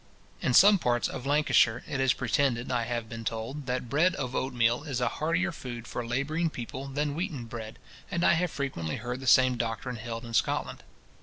In some parts of Lancashire, it is pretended, I have been told, that bread of oatmeal is a heartier food for labouring people than wheaten bread, and I have frequently heard the same doctrine held in Scotland.